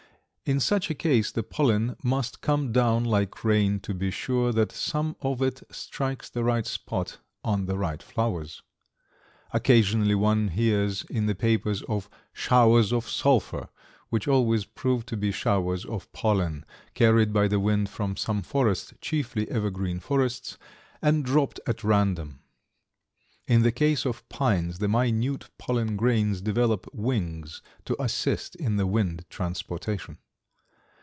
In such a case the pollen must come down like rain to be sure that some of it strikes the right spot in the right flowers. Occasionally one hears in the papers of "showers of sulphur," which always prove to be showers of pollen carried by the wind from some forest (chiefly evergreen forests) and dropped at random. In the case of pines the minute pollen grains develop wings to assist in the wind transportation.